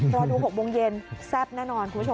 รอดู๖โมงเย็นแซ่บแน่นอนคุณผู้ชม